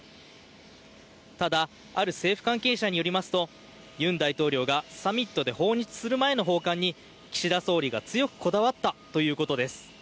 ただある政府関係者によりますと尹大統領がサミットで訪日する前の訪韓に岸田総理が強くこだわったということです。